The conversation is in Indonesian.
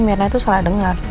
mirna itu salah dengar